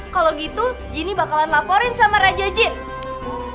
kalau gitu jinny bakalan laporin sama raja jin